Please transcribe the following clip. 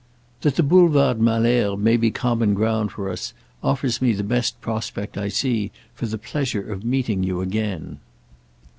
"That the Boulevard Malesherbes may be common ground for us offers me the best prospect I see for the pleasure of meeting you again."